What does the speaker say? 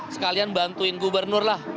sekalian bantuin gubernur lah